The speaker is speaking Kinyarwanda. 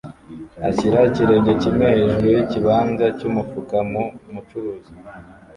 ashyira ikirenge kimwe hejuru yikibanza cyumufuka nu mucuruzi.